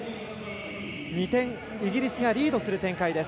２点イギリスがリードする展開です。